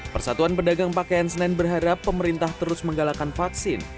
persatuan pedagang pakaian senen berharap pemerintah terus menggalakkan vaksin